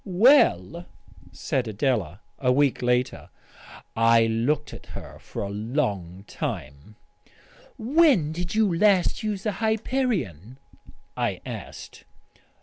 "Well?" said Adela a week later. I looked at her for a long time. "When did you last use the Hyperion?" I asked.